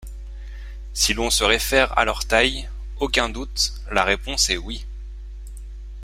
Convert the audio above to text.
Si l'on se réfère à leur taille, aucun doute, la réponse est oui.